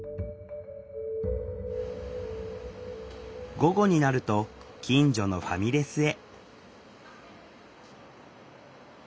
午後になると近所のファミレスへ。